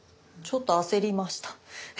ちょっと焦りました。